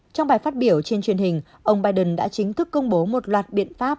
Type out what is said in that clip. trong bài phát biểu trên truyền hình ông biden đã chính thức công bố một loạt biện pháp